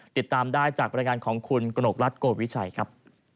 ติดตามได้จากบรรยายงานของคุณกระหนกรัฐโกวิชัยครับ